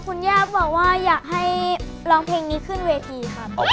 คุณย่าบอกว่าอยากให้ร้องเพลงนี้ขึ้นเวทีครับ